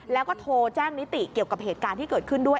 แล้วก็โทรแจ้งนิติเกี่ยวกับเหตุการณ์ที่เกิดขึ้นด้วย